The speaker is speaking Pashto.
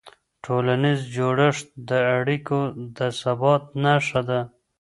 ټولنیز جوړښت د اړیکو د ثبات نښه ده.